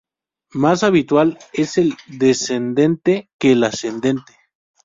Más habitual es el descendente que el ascendente.